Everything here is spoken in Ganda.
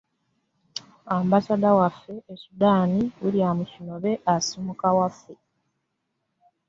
Ambasada waffe e Sudan William Kinobe asibuka waffe.